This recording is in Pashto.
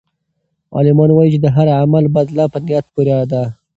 عالمان وایي چې د هر عمل بدله په نیت پورې ده.